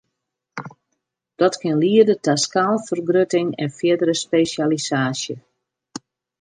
Dat kin liede ta skaalfergrutting en fierdere spesjalisaasje.